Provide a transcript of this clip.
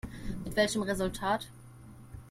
Mit welchem Resultat?